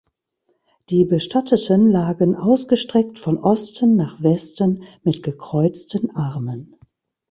Die Bestatteten lagen ausgestreckt von Osten nach Westen mit gekreuzten Armen.